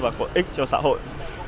và có ích cho xã hội